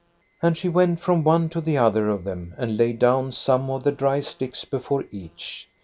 " And she went from one to the other of them, and laid down some of the dry sticks before each.